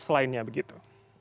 ngawas lainnya begitu